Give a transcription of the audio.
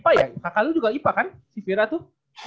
kakak lu juga ipa kan si fira tuh